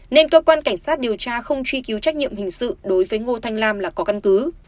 nên cơ quan cảnh sát điều tra không truy cứu trách nhiệm hình sự đối với ngô thanh lam là có căn cứ